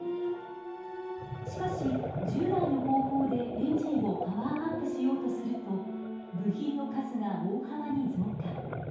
しかし従来の方法でエンジンをパワーアップしようとすると部品の数が大幅に増加。